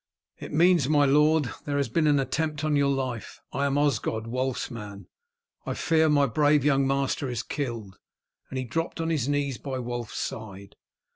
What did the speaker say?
"It means, my lord, that there has been an attempt on your life. I am Osgod, Wulf's man. I fear my brave young master is killed!" and he dropped on his knees by Wulf's side.